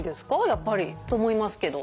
やっぱりと思いますけど。